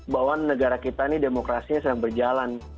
bahwa negara kita ini demokrasinya sedang berjalan